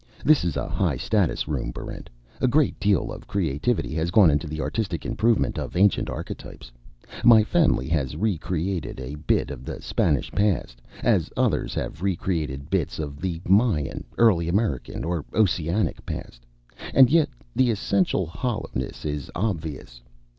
This is a high status room, Barrent. A great deal of creativity has gone into the artistic improvement of ancient archetypes. My family has re created a bit of the Spanish past, as others have re created bits of the Mayan, Early American, or Oceanic past. And yet, the essential hollowness is obvious.